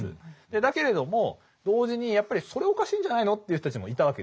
だけれども同時にやっぱりそれおかしいんじゃないのっていう人たちもいたわけですよね。